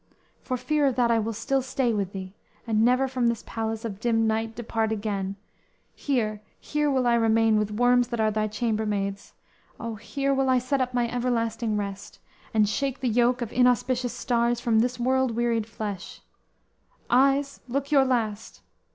For fear of that I will still stay with thee; And never from this palace of dim night Depart again; here, here will I remain With worms that are thy chambermaids; O, here Will I set up my everlasting rest; And shake the yoke of inauspicious stars From this world wearied flesh; eyes, look your last!